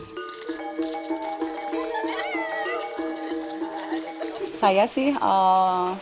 saya sih laku yang sering nyanyah di sini